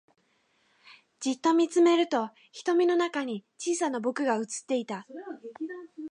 じっと見つめると瞳の中に小さな僕が映っていた